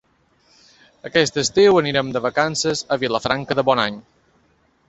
Aquest estiu anirem de vacances a Vilafranca de Bonany.